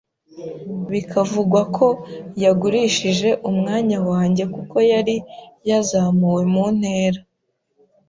bikavugwa ko yagurishije umwanya wanjye kuko yari yazamuwe mu ntera